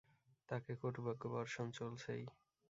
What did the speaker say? তাঁকে কটুবাক্য বর্ষণ চলছেই।